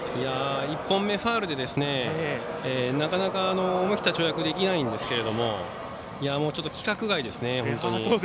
１本目、ファウルでなかなか思い切った跳躍できないんですがちょっと規格外ですね。